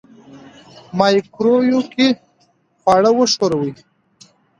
مایکروویو کې خواړه وښوروئ.